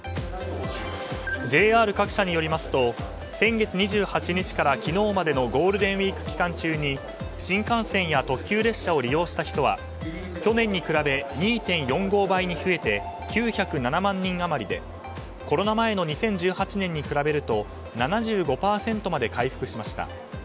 ＪＲ各社によりますと先月２８日から昨日までのゴールデンウィーク期間中に新幹線や特急列車を利用した人は去年に比べ２．４５倍に増えて９０７万人余りでコロナ前の２０１８年に比べると７５％まで回復しました。